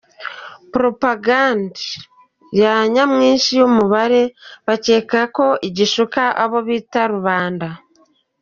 Poropaganda ya nyamwinshi y’umubare, bakekaga ko igishuka abo bita rubanda.